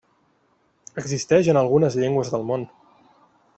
Existeix en algunes llengües del món.